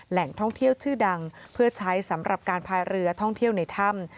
แหล่งท่องเที่ยวชื่อดังเพื่อใช้สำหรับการพายเรือท่องเที่ยวในถ้ำ